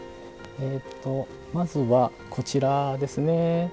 えっとまずはこちらですね。